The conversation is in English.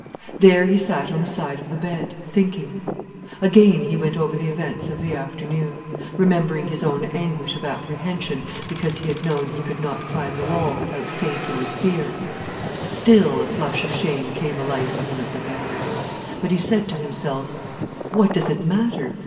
There he sat on the side of the bed, thinking. Again he went over the events of the afternoon, remembering his own anguish of apprehension because he had known he could not climb the wall without fainting with fear. Still, a flush of shame came alight in him at the memory. But he said to himself: "What does it matter?